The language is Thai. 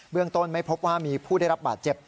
เรื่องต้นไม่พบว่ามีผู้ได้รับบาดเจ็บ